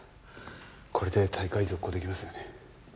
これで大会続行出来ますよね。